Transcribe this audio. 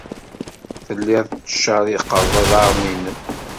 Telliḍ tettcerriqeḍ iḍarren-nnem.